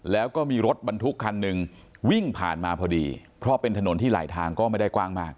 แล้วก็มีรถบรรทุกคันหนึ่งวิ่งผ่านมาพอดีเพราะเป็นถนนที่ไหลทางก็ไม่ได้กว้างมาก